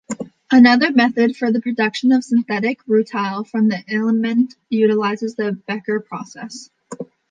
Another method for the production of synthetic rutile from ilmenite utilizes the Becher Process.